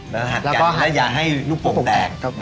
แล้วหัดกันจะให้ลูกปลงแตก